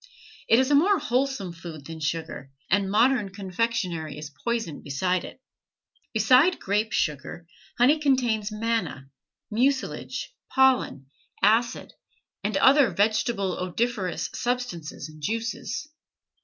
It is a more wholesome food than sugar, and modern confectionery is poison beside it. Beside grape sugar, honey contains manna, mucilage, pollen, acid, and other vegetable odoriferous substances and juices.